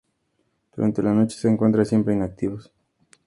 Durante la noche, se encuentran siempre inactivos.